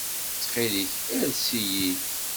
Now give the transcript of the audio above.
Ttxil-k, ales-iyi-d.